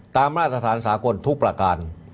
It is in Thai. ตามราศาสตราสาคนทุกประการ